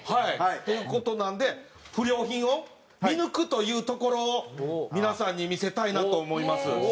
という事なんで不良品を見抜くというところを皆さんに見せたいなと思います。